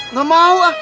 nggak mau ah